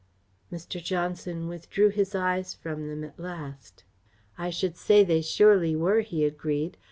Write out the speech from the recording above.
Mr. Johnson withdrew his eyes from them at last. "I should say they surely were," he agreed.